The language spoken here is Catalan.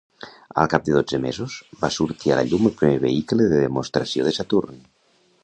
Al cap de dotze mesos, va sortir a la llum el primer vehicle de demostració de Saturn.